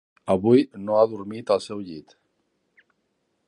Avui no ha dormit al seu llit.